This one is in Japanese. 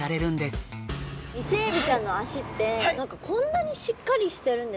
イセエビちゃんの脚って何かこんなにしっかりしてるんですね。